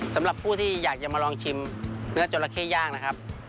สำหรับผู้ที่อยากจะมาลองชิมเนื้อจราเข้ย่างนะครับ